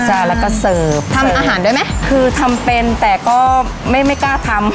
ใช่แล้วก็เสิร์ฟทำอาหารด้วยไหมคือทำเป็นแต่ก็ไม่ไม่กล้าทำค่ะ